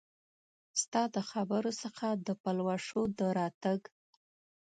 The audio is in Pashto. ستا د خبرو څخه د پلوشو د راتګ